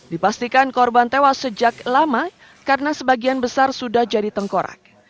dipastikan korban tewas sejak lama karena sebagian besar sudah jadi tengkorak